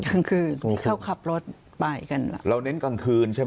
ที่เขาขับรถไปกันเราเน้นกลางคืนใช่ไหม